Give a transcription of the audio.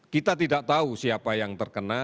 kita tidak tahu siapa yang terkena